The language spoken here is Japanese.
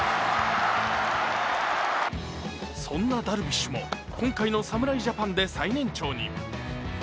そんなダルビッシュも今回の侍ジャパンで最年長に。